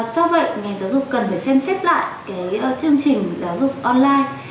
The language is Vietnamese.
do vậy ngành giáo dục cần phải xem xét lại cái chương trình giáo dục online